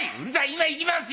今行きますよ！